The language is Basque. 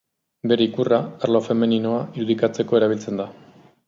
Bere ikurra, arlo femeninoa irudikatzeko erabiltzen da.